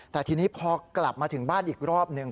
แต่ทีนี้พอกลับมาถึงบ้านอีกรอบหนึ่ง